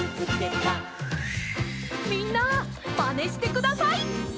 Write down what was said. みんなまねしてください。